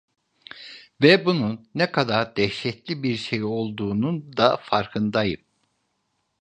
Ve bunun ne kadar dehşetli bir şey olduğunun da farkındayım.